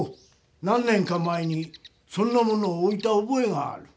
何年か前にそんな物をおいたおぼえがある。